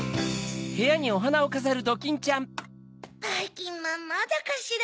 ばいきんまんまだかしら。